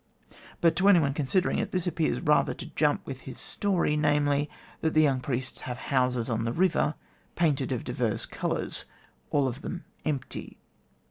But to anyone considering it, this appears rather to jump with his story namely, that the young priests have houses on the river, painted of divers colours, all of them empty.